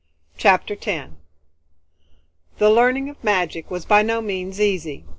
CHAPTER 10 The learning of magic was by no means easy.